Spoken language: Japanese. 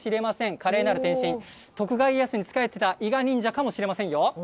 華麗なる転身、徳川家康に仕えてた伊賀忍者かもしれませんよ。